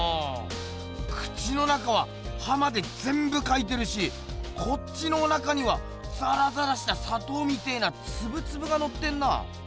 口の中ははまでぜんぶかいてるしこっちのおなかにはザラザラしたさとうみてえなツブツブがのってんな！